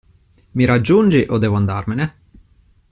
Mi raggiungi o devo andarmene?